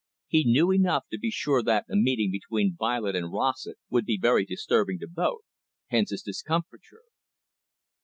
He knew enough to be sure that a meeting between Violet and Rossett would be very disturbing to both, hence his discomfiture.